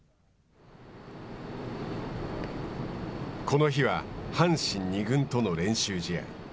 この日は阪神二軍との練習試合。